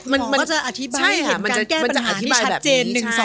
มันก็จะอธิบายเหตุการณ์แก้ปัญหาที่ชัดเจน๑๒๓๔